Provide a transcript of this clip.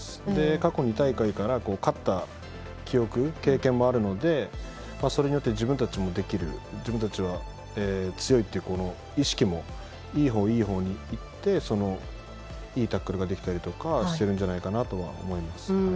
過去２大会から勝った記憶、経験もあるのでそれによって自分たちはできる自分たちは強いっていう意識もいい方にいっていいタックルができたりしてるんじゃないかなと思います。